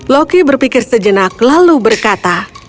loki berpikir sejenak lalu berkata